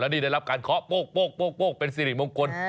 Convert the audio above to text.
แล้วนี่ได้รับการเคาะเป้าะเป็นซิริมงคล